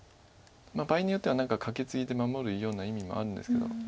場合によっては何かカケツイで守るような意味もあるんですけど。